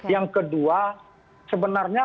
yang kedua sebenarnya